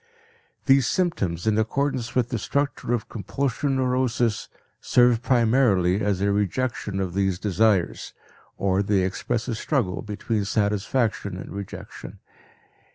These symptoms, in accordance with the structure of compulsion neurosis, serve primarily as a rejection of these desires, or they express a struggle between satisfaction and rejection.